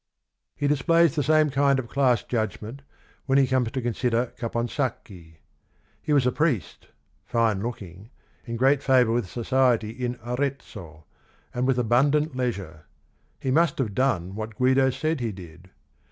He displays the same kind of class judgment, when he comes to consider Caponsacchi. He was a priest, fine looking, in great favor with society in Arezzo, and with abundant leisure; he must have done what Guido said he did.